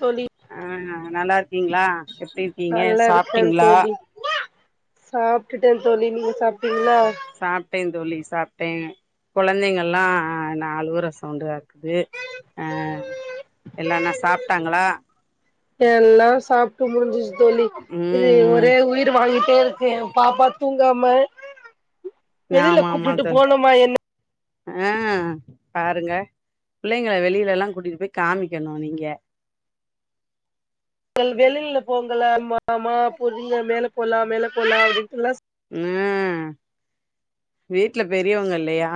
தோழி ஆ நல்லாருக்கிங்ளா எப்டி இருக்கிங்க நல்லா இருக்கே சாப்ட்டிங்ளா தோழி சாப்ட்டுட்டே தோழி நீங்க சாப்ட்டிங்ளா சாப்ட்டே தோழி சாப்ட்டே குழந்தைங்கெல்லா நா அழுவுற சவுண்டா இருக்குது ஆ எல்லா என்ன சாப்ட்டாங்களா எல்லா சாப்ட்டு முடிஞ்சுச்சு தோழி இது ம் ஒரே ம் உயிர வாங்கிட் டே இருக்கு எ பாப்பா தூங்காம வெளியில ஆமா ஆமா கூப்ட்டுட்டு தோழி போனுமா என்ன ஆ பாருங்க பிள்ளைங்கள வெளியில எல்லா கூட்டிட்டு போய் காமிக்கணு நீங்க வெளியில போகலாமா மா போடுங்க மேல போலா மேல போலா அப்படின்ட்டெல்லா ம் வீட்ல பெரியவங்க இல்லையா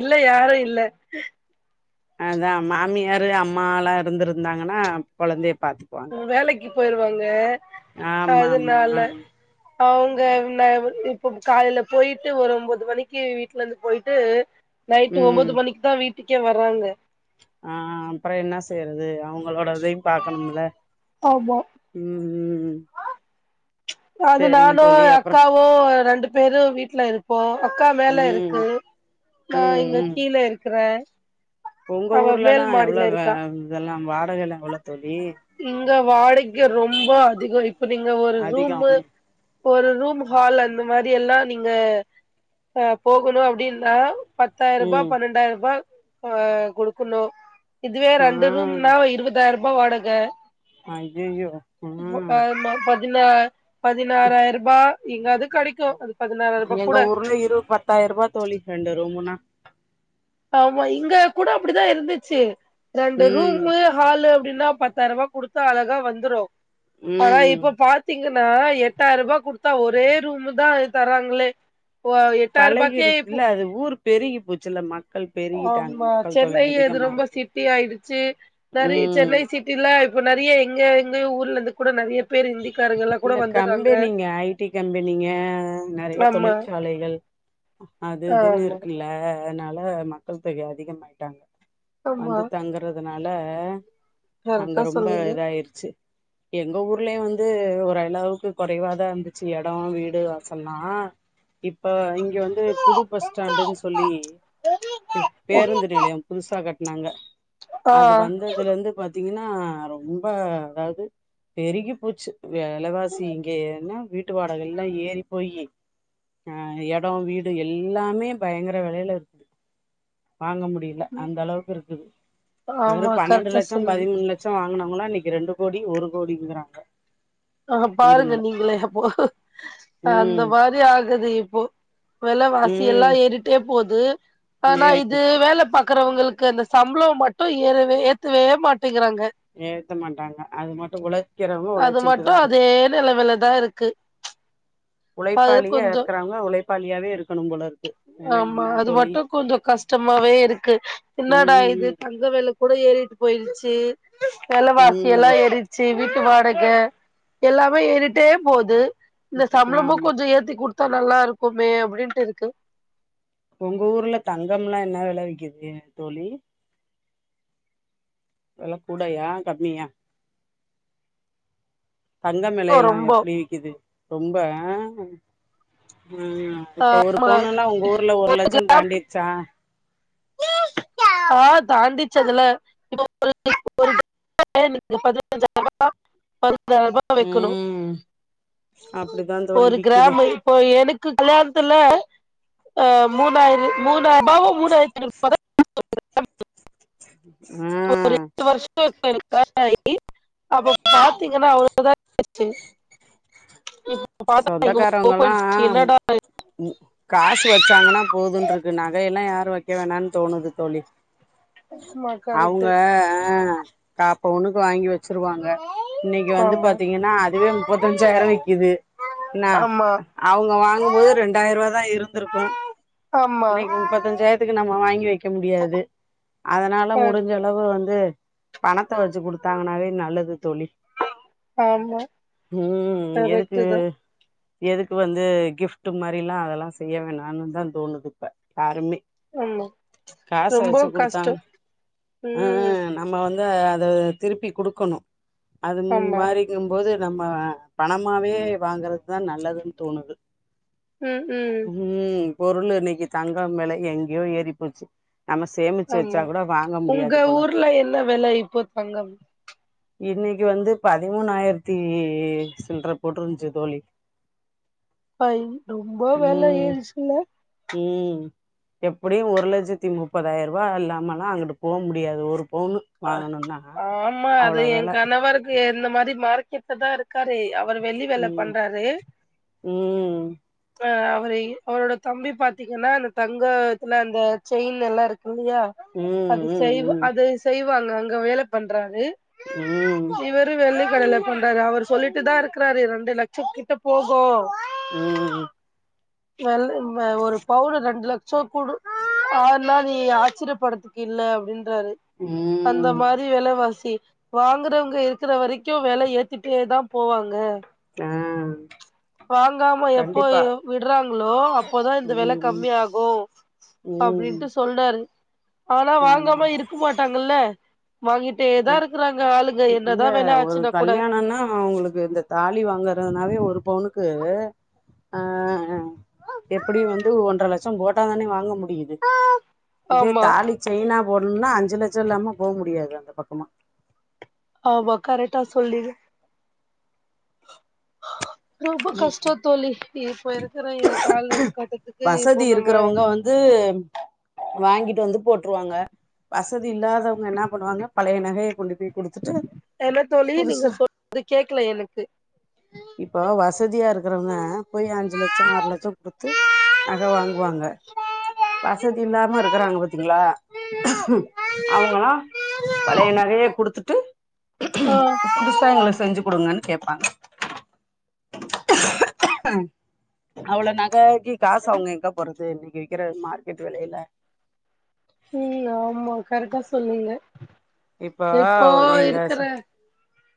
இல்ல யாரு இல்ல அதா மாமியாரு அம்மால்லா இருந்திருந்தாங்கன்னா கொழந்தைய பாத்து வேலைக்கு போயிருவாங்க ஆமா ஆமா அதுனால அவங்க ந இப்ப காலையில போயிட்டு ஒரு ஒம்போது மணிக்கு வீட்ல இருந்து போயிட்டு நைட் ம் ஒம்பது மணிக்குதா வீட்டுக்கே வர்றாங்க ஆ அப்பற என்ன செய்யறது அவங்களோட இதையு பாக்கணும்ல ஆமா ம் ம் அது சேரிங்க நானு தோழி அப்புறோ அக்காவு ரெண்டு பேரு வீட்ல இருப் போ அக்கா மேல ம் இருக்கு நா ம் இங்க ம் கீழ இருக்கற உங்க ஊர்லெலா எவ்ள வ இருக்கா இதெல்லாம் வாடகைலா எவ்ளோ தோழி இங்க வாடகை ரொம்ப அதிக இப்ப நீங்க ஒரு அதிகோ ரூம்மு ஒரு ரூம் ஹால் அந்த மாரி எல்லா நீங்க போகணு அப்டிந்தா பத்தாயிருபா ம் பன்னெண்டாயிருபா ஆ குடுக்கணு இதுவே ஆ ரெண்டு ரூம்னா இருபதாயிருபா வாடக ஐயையோ ம் ஆமா பதினா பதினாறாயிருபா இங்க அது கெடைக்கு அது பதினாறாயிரூபா கூட எங்க ஊர்ல இரு பத்தாயிருபா தோழி ரெண்டு ரூமுன்னா ஆமா இங்க கூட அப்புடிதா இருந்துச்சு ரண்டு ம் ரூமு ஹாலு அப்டின்னா பத்தாயிருபா குடுத்தா அழகா வந்துரு ஆனா ம் இப்ப பா த்திங்கன்னா எட்டாயிருபா குடுத்தா ஒரே ரூம்தா தராங்களே இப்ப எட்டாயிருபாக்கே பழகிருச்சுல்ல அது ஊரு பெருகி போச்சுல மக் ஆமா சென்னை இது ரொம்ப இருக்கு சிட்டி ஆயிடுச்சு நெறைய ம் சென்னை சிட் டிலா இப்ப நெறைய எங்க எங்க ஊர்லந்து இந்த கம்பெனிங்க ஐ டி கம்பெனிங்க நெறைய ஆமா தொழிற் சாலைகள் அது இதுன் ஆமா இருக்குல்ல அதனால மக்கள் தொகை அதிகமாயிட்டாங்க ஆமா வந்து தங்கறதுனால அங்க கரெக்டா ரொம்ப சொல்லுங்க இதாயிருச்சு எங்க ஊர் க்குள்ளயு வந்து ஒரளவுக்கு கொறைவாதா இருந்துச்சு எட வீடு வாசல்லா இப்ப இங்க வந்து புது பஸ் ஸ்டாண்டுன் சொல்லி பேருந்து நிலையம் புதுசா கட்னாங்க ஆ அது வந்ததுல இருந்து பாத்திங்கன்னா ரொம்ப அதாது பெருகி போச்சு வெலவாசி இங்க என்னா வீட்டு வாடகயெல்லா ஏறிப் போயி ஆ எடம் வீடு எல்லாமே பயங்கர வெலையிலருக்கு வாங்க முடிய ல அந்த அளவுக்கு இருக்குது வெறு ஆமா பன்னெண்டு கரெக்டா லட்சோ சொல்லுங்க பதிமூணு லட் சோ வாங்கினவங்களா இன்னைக்கு ரெண்டு கோடி ஒரு கோடிங்கிறாங்க ஆ பாருங்க வீடுங்கள நீங்களே இப்போ அந்த ம் மாரி ஆகுது இப்போ வெலவாசி எல்லா ம் ஏறிட்டே போது ஆனா ஏறி இது போச்சு வேல பாக்குறவுங்களுக்கு அந்த சம்பளோ மட்டு ஏறவே ஏத்தவே மாட்டேங்கிறாங்க ஏத்த மாட்டாங்க அது மட்டு உள்ள அது மட்டு அதே நெலமைலதா இருக்கு அது உழைப்பாளியா கொஞ்சோ இருக்கிறவங்க உழைப்பாளியாவே இருக்கணு போலருக்கு ஆமா என்ன [inaudible] அது மட்டு கொஞ்சோ கஷ் டமாவே இருக்கு ம் என்னாடா இது ம் தங்க வெல கூட ஏறிட்டு போயிருச்சு ம் வெலைவாசியெல்லா ம் ஏறிச்சு வீட் டு வாடக எல்லாமே ஏறிட்டே போது இந்த சம்பளமு ஆமா கொஞ்சோ ஏத்தி குடுத் தா நல்லா இருக்குமே அப்டின்ட்டு இருக்கு ஒங்க ஊர்ல தங்கம்லா என்னா வெல விக்குது தோழி வெல கூடயா கம்மியா தங்கம் வெலையெல்லா ரொம்போ எப்டி விக்குது ரொம்ப ஆ ம் இப்போ ஒரு பவுனல்லா ஒங்க ஊர்ல ஒரு லட்சோ தாண்டிருச்சா ஓ தாண்டிரிச்சு அதுலா இப்ப [inaudible] எனக்கு பதினஞ்சாயிரோ ரூவா பதினாயிரம் ரூபா [inaudible] ம் அப்டிதா தோழி விக்குது இப்ப எனக்கு கல்யாணத்துல ஆ மூணாயி மூணாயிரூபாவா மூணாயிரத் [inaudible] ஆ ஒரு [inaudible] அப்ப பாத்திங்கனா [inaudible] சொந்தக்காரவங்கல்லா [inaudible] என்னாடா [inaudible] ம் காசு வச்சாங்கன்னா போதுன்ருக்கு நகையெல்லா யாரு வைக்க வேணானு தோணுது தோழி கரெக்ட். அவுங்க ஆ காப்பவுனுக்கு வாங்கி வச் வச்சிருவாங்க இன்னிக்கு வந்து ஆமா கரெக்ட்டு ஆமா பாத்தீங்கன்னா அதுவே முப்பத்தஞ்சாயிரோ விக்குது என்னா ஆமா அவுங்க வாங்கும்போது ரெண்டாயிரூவாதா இருந்திருக்கு ஆமா இன்னைக்கு முப்பத்தஞ்சாயிரத்துக்கு நம்ம வாங்கி வைக்க முடியாது அதனால கரெக்ட் முடிஞ்சள வு வந்து பணத்த வச்சு குடுத் தாங்கனாவே நல்லது தோழி ஆமா ம் எதுக்கு கரெக்ட்டுதா எதுக்கு வந்து கிஃப்ட்டு மாரில்லா அதெல்லா செய்ய வேணான்னுதா தோணுது இப்ப யாருமே ஆமா காச ரொம்ப வச்சி கஷ்டோ குடுத்தாங் ம் நம்ம வந்து அத திருப்பி குடுக்குணு அது ஆமா மாரி இருக்கு போது நம்ம பணமாவே வாங்குறதுதா நல்லதுன்னு தோணுது ம் ம் ம் பொருள் இன்னைக்கு தங்கம் வெல எங்கேயோ ஏறி போச்சு நம்ம சேமிச்சி வச்சா ஆமா கூட வாங்க உங்க முடியாது போலருக்கு ஊர்ல என்ன வெல இப்போ தங்கம் இன்னைக்கு வந்து பதிமூணாயிரத்தி சில்ற போட்டிருந்துச்சு தோழி அய் ரொம்ப வெல ம் ஏறிடிச்சில்ல ம் எப்டியு ஒரு லட்சத்தி முப்பதாயிர ரூவா இல்லாமலா அங்குட்டு போ முடியாது ஒரு பவுனு அ வாங்கணும்னா ஆமா அது அவ்ளோ என் வெல கணவருக்கு இந்த மாரி மார்கெட்டு தா இரு க்காரே அவரு வெள்ளி வேல ம் பண்றாரு ம் ஆ அவரு அவரோட தம்பி பாத்தீங்கன்னா அந்த தங்கோ இதுலா அந்த செயின் எல்லா இருக்கு இல்லையா ம் அது செய்வ ம் அது செய்வாங்க அங்க வேல பண்றாரு ம் இவரு வெள்ளிக்கடையில பண்றாரு அவரு சொல்லிட்டு தா இருக்கறாரு இரண்டு லட்ச கிட்ட போகு ம் வெல வ ஒரு பவுனு ரெண்டு லட் சோ குடு அதல நீ ஆச்சரியப்படத்துக்கு இல்ல அப்டின்ட்றாரு ம் அந்த மாரி வெலவாசி வாங்குறவங்க இருக்கிற வரைக்கு வெல ஏத்திட்டே தா போவாங்க ஆ வாங்காம எப்போயு கண்டிப்பா விட்றாங்ளோ அப்போதா இந்த வெல ம் ம் கம்மி ஆகு ம் அப்டின்ட்டு சொன்னாரு ஆனா அதா வாங்காம அதா இருக்க மாட்டாங்கல்ல வாங்கிட் டே தா இருக்கிறாங்க ஆளுங்க என்னதா வெல ஆச்சினா கூட நானா அவுங்ளுக்கு இந்த தாலி வாங்கறதுனாவே ஒரு பவுனுக்கு ஆ எப்படி வந்து ஒன்ற லட்சோ போட்டா தானே வாங்க முடியுது இதே ஆமா தாலி செயின்னா போட்ணுனா அஞ்சு லட்சோ இல்லாம போ முடியாது அந்த பக்கமா ஆமா கரெக்டா சொன்னீங்க ரொம்ப கஷ்டோ தோழி இப்ப இருக்கிற கால கட்டத்துக்கு இப்போ நம்ம இது வாங்கிட்டு வந்து போட்டுருவாங்க வசதி இல்லாதவங்க என்ன பண்ணுவாங்க பழைய நகைய கொண்டு போய் குடுத்துட்டு என்ன தோழி நீங்க புதுசா சொன்னது கேக்கல எனக்கு இப்ப வசதியா இருக்கிறவங்க போய் அஞ்சு லட்சோ ஆறு லட்சோ குடுத்து நக வாங்குவாங்க வசதி இல்லாம இருக்குறாங்க பாத்தீங்ளா அவுங்களா பழைய நகைய குடுத்துட்டு ஆ புதுசா எங்களுக் செஞ்சு குடுங்கன் கேட்பாங்க அவ்ளோ நககி காசு அவுங்க எங்க போறது இன்னைக்கி விக்கிற மார்க்கெட்டு வெலைல ம் ஆமா கரெக்டா சொன்னீங்க இப்போ எங்க இருக்கிற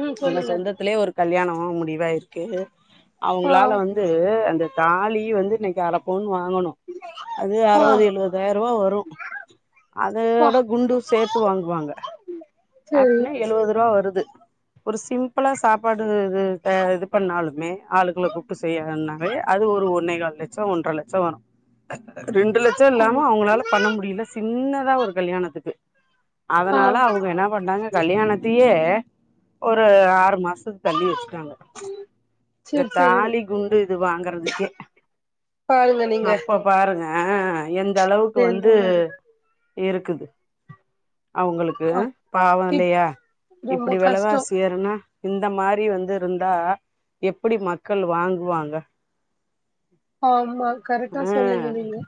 ம் எங்க சொல்லுங்க சொந்தத்துலே ஒரு கல்யாணோ முடிவாயிர்க்கு ஆ அவுங்ளால வந் து அந்த தாலி வந்து இன்னிக்கி அற பவுன் வாங்குணு அது ஆ அறுபது எழுவதாயிர ரூபா வரு பா அதோட குண்டு சேர்த்து வாங்குவாங்க செரி அப்னா எழுவது ரூவா வருது ஒரு சிம்பிளா சாப்பாடு இது இது பண்ணாலுமே ஆளுங்குள கூப்ட்டு செய்யன வே அது ஒரு ஒன்னே கால் லட்சோ ஒன்ற லட்சோ வரு ரெண்டு லட்ச இல்லாம ம் அவுங்ளால பண்ண முடில சின்னதா ஒரு கல்யாணத்துக்கு ஆ அதனால அவுங்க என்னா பண்ணாங்க கல்யாணத்தியே ஒரு ஆறு மாசத்துக் தள்ளி வச்சுட்டாங்கோ இந்த செரி செரி தாலி குண்டு இது வாங்கறதுக்கே பாருங்க நீங்க அப்ப பாருங்க எந்த அளவுக்கு எந்த வந்து மாரி இருக்குது அவுங்களுக்கு ஆ பாவோ இப் இல்லையா ரொம்ப இப்படி கஷ்டோ வெலவாசி ஏருனா இந்த மாரி வந்து இருந்தா எப்டி மக்கள் வாங்குவாங்க ஆமா கரெக்டா ஆ சொல்லிருக்கீங்கோ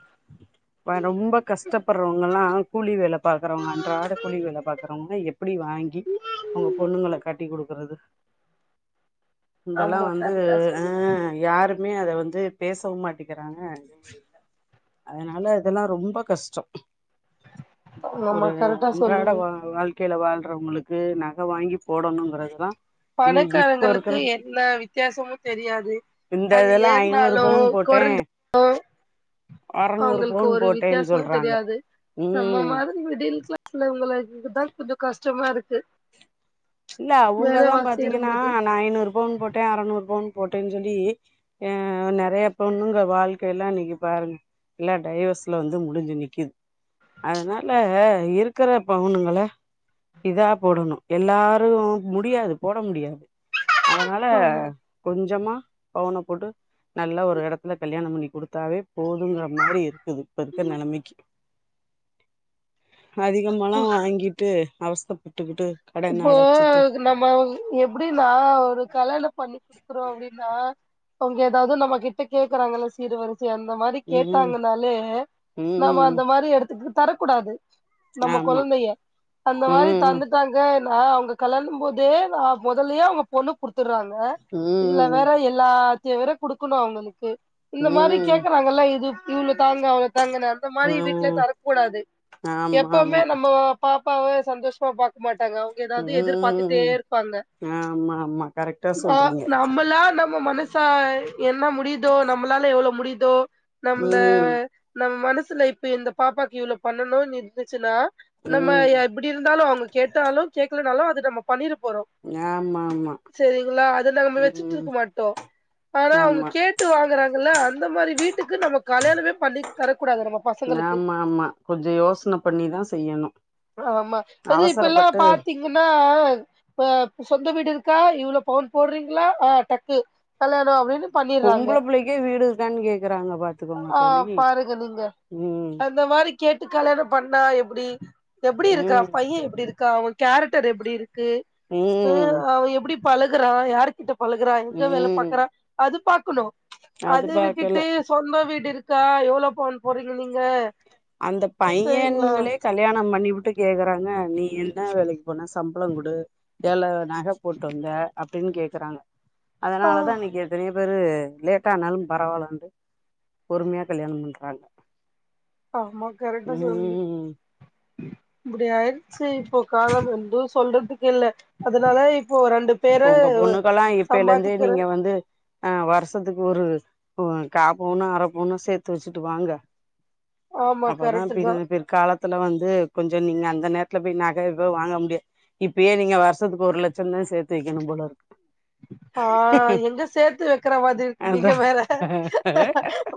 ரொம்ப கஷ்டப்படறவங்கல்லா கூலி வேல பாக்கறவங்க அன்றாட கூலி வேல பாக்கறவங்க எப்டி வாங்கி அவுங்க பொண்ணுங்கள கட்டி குடுக்கறது இந்தல்லா ஆமா வந்து கரெக்டா அ சொன்னீங்க யாருமே அத வந்து பேசவு மாட்டீங்கிறாங்க அதனால அதெல்லா ரொம்ப கஷ்டோ ஆமா ஒரு கரெக்டா அன்றாட சொன்னீங்க வா வாழ் கைல வாழ்றவங்களுக்கு நக வாங்கி போடணுங்கறதுதா பணக்காரங்களுக்கு என்ன வித்தியாசமு தெரியாது இந்த அது இதெல்லா ஐநூறு ஏர்னாலு பவுன் போட்டே கொறஞ்சாலு அறநூறு அவங்களுக்கு பவுன் ஒரு போட்டேன்னு வித்தியாசமு சொல்றாங்க தெரியாது நம்ம ம் மா மிடில் கிளாஸ்ல உள்ளவங்களுக்குதா கொஞ்சோ கஷ்டமா இருக்கு இல்ல வேலைவா அவுங்கதான் பாத்தீங்கன்னா சேரும்போது நா ஐநூறு பவுனு போட்டன் அறநூறு பவுனு போட்டன் சொல்லி நெறையா பொண்ணுங்க வாழ்க்கைல இன்னைக்கு பாருங்க எல்லா டைவர்ஸ்ல வந்து முடிஞ்சு நி்க்கிது அதனால இருக்கற பவுனுங்கள இதா போடணு எல்லா அதுவு முடியாது போட முடியாது அதனால ஆமா கொஞ்சமா பவுன போட்டு நல்லா ஒரு எடத்துல கல்யாணோ பண்ணி குடுத்தாவே போதுங்கற மாரி இருக்குது இப்ப இருக்கற நெலைமைக்கு அதிகமால்லா வாங்கிட்டு அவஸ்தப்பட்டுகிட்டு இப்போ நம்ம எப்டின்னா ஒரு கல்யாணோ பண்ணி குடுக்கறோ அப்டின்னா அவுங்க எதாவது நம்ம கிட்ட கேக்கறாங்கல்ல சீர் வ ரிசை அந்த மாரி ம் கேட்டாங்கனாலே நாம ம் அந்த மாரி எடத்துக்கு தரக்கூடாது நம்ம ஆமா கொழந்தைய அந்த மாரி ம் தந்துட்டாங் கனா அவுங்க கல்யாணம்போதே நா மொதல்லயே அவுங்க பொண்ணு குடுத்தர்றாங்க இதுல ம் வேற எல்லாத்தையு வேற குடுக்கணு அவுங்களுக்கு இந்த மாரி ம் கேக்கறா ங்கல்ல இது இவ்ளதாங்க அவ்ளதாங்க நானு அந்த மாரி வீட்ல ம் தரக்கூடாது ஆமா எப்புமே ஆமா நம்ம பாப்பாவ சந்தோஷமா பா க்க மாட்டாங்க எதாது எதிர்பாத்துட்டே ம் இருப்பாங்க ஆமா ஆமா கரெக்டா நா சொல்றீங்க நம்மல்லா நம்ம மன சா என்ன முடிதோ நம்மளால எவ்ளோ முடிதோ ம் நம்மள நம்ம மனசுல இப்ப இந்த பாப்பாக்கு இவ்ளோ பண்ணணு இருந்துச்சுனா நம்ம ம் எப்டி இருந்தாலு அவுங்க கேட்டாலு கேக்லனாலு அது நம்ம பண்ணிற போறோ ஆமா ஆமா சேரிங்ளா அத நாம வெச்சுட்டு ம் இருக்க மாட்டோ ஆனா அவுங்க ஆமா கே ட்டு வாங்கறாங்கல்ல அந்த மாரி வீட்டு க்கு நம்ம கல்யாணமே பண்ணி தரக்கூடாது நம்ம பசங்களுக்கு ஆமா ஆமா கொஞ்சோ யோசன பண்ணிதா செய்யணு ஆமா அது இப்ப எல்லா அவசரப்பட்டு பாத்தீங்கன்னா அ சொந்த வீடு இருக்கா இவ்ளோ பவுன் போடுறீங்ளா ஆ டக்கு கல்யாணோ அப்டின்னு பண்ணிர்றாங்க பொம்பள புள்ளைக்கே வீடு இருக்கான்னு கேக்குறாங்க பாத்துக்கோங்க ஆ தோழி பாருங்க நீங்க ம் அந்த மாரி கேட்டு கல்யாணோ பண்ணா எப்டி எப்டி இருக்கா ம் ஏ இப்டி இருக்கான் அவன் கேரக்டர் எப்டி இருக்கு உ ம் அவன் எப்டி பழகுறான் யாரு கிட்ட பழுகுறான் எங்க வேல ம் பாக்குறான் அது பாக்கணு அது விட்டுட்டு சொந்த வீடு இருக்கா எவ்ளோ பவுன் போடறீங்க நீங்க அந்த சரிங்களா பையன்களே கல்யாண பண்ணி விட்டு கேக்குறாங்க நீ என்ன வேலைக்கு போன சம் பளங்குடு எவ்ள நக போட்டு வந்த அப்டின்னு கேக்குறாங்க ஆ அதனால தா இன்னைக்கு எத்தனையோ பேரு லேட்ஆனாலு பரவாயில்லன்னு பொறுமையா கல்யாண பண்றாங்க ஆமா கரட்டா சொல்லு ம் இப்படி ஆயிடுச்சு இப்போ காலம் என்று சொல்றதுக்கு இல்ல அதனால இப்போ ரெண்டு இப்ப பேரு உங்க பொண்ணுக்கெல்லா இப்பைல இருந்தே சம்பாதிக்கிற நீங்க வந்து ஆ வருஷத்துக்கு ஒரு கா பவுனு அர பவுனு சேத்து வெச்சுட்டு வாங்க ஆமா அப்பனா கரெக்ட் பின் தா பிற் காலத்துல வந்து கொஞ்சு நீங்க அந்த நேரத்துல போய் நக கிக வாங்க முடியாது இப்பயே நீங்க வருஷத்துக்கு ஒரு லட்சம்னு சேத்து வைக்கணு போல இருக்கு ஆ எங்க சேர்த்து வக்கிற மாதிரி இருக்கு நீங்க அதா வேற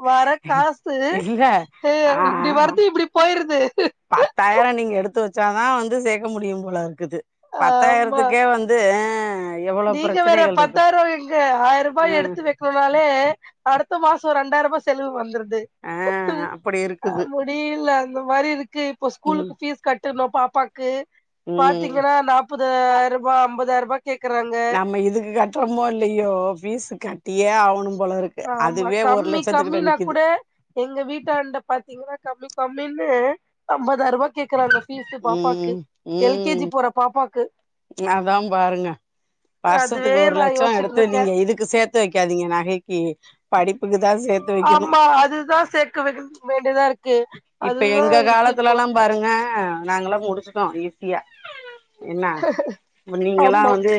வர காசு இல்ல அ ஆ இப்டி வருது இப்டி போயிருது பத்தாயிரோ நீங்க எடுத்து வச்சாதா வந்து சேர்க்க முடியும் போல இருக்குது ஆமா பத்தாயிரத்துக்கே வந்து து ஆ எவ்வளோ நீங்க வேற பிரச்சனைகள் இருக்கு பத்தாயிரவா எங்க ஆயிரூபா ஆ எடுத்து வ னாலே அடுத்த மாசோ ரெண்டாயிரூபா செலவு வந்துருது ஆ அப்படி இருக்குது முடியில அந்த மாரி இருக்கு இப்போ ம் ஸ்கூலுக்கு ஃபீஸ் கட்டணு பாப்பாக்கு ம் பாத்தீங்கன்னா நாப்பதாயிரபா அம்பதாயிரபா கேக்குறாங்க நம்ம இதுக்கு கட்டுறோமோ இல்லயோ பீஸ் கட்டியே ஆவுணு போல இருக்கு ஆமா அதுவே ஒரு கம்மி லட்சத்துக்கிட்ட கம்மினா நிக்குது கூட எங்க வீட்டாண்ட பாத்தீங்கன்னா கம்மி கம்மின்னு அம்பதாயிரபா கேக்குறாங்க பீஸ் பாப்பாக்கு ம் எல் கே ஜி போற பாப்பாக்கு அதா பாருங்க அதுவே வருஷத்துக்கு ஒரு நா லட்சோ எடுத்து யோசிச்சுட்ருக்கே நீங்க இதுக்கு ககு சேத்து வைக்காதீங்க நகைக்கு படிப்புக்கு தா சேத்து வெக்கணு ஆமா அதுதா செ த்து வெக்க வேண்டியதா இருக்கு இப்ப அதுதா எங்க இருக்கு இப்போ காலத்துலல்லா பாருங்க நாங்கல்லா முடிச்சுட்டோ ஈஸியா என்ன இப்ப நீங்கல்லா ஆமா வந்து